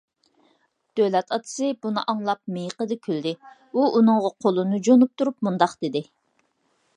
دۆلەت ئاتىسى بۇنى ئاڭلاپ مىيىقىدا كۈلدى. ئۇ ئۇنىڭغا قولىنى جۇنۇپ تۇرۇپ مۇنداق دېدى: